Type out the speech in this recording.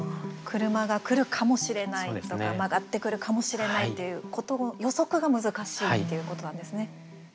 車が来るかもしれないとか曲がってくるかもしれないということの予測が難しいということなんですね。